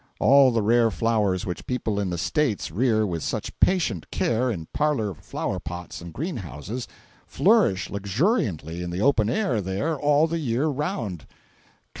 All the rare flowers which people in "the States" rear with such patient care in parlor flower pots and green houses, flourish luxuriantly in the open air there all the year round.